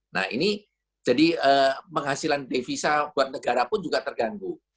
nah ini jadi penghasilan devisa buat negara pun juga terganggu